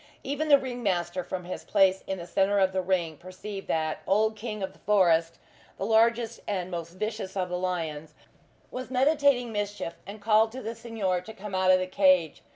Even the ring master from his place in the centre of the ring, perceived that old King of the Forest, the largest and most vicious of the lions, was meditating mischief, and called to the Signor to come out of the cage.